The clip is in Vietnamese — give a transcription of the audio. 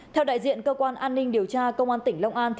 theo đại diện cơ quan an ninh điều tra công an tỉnh long an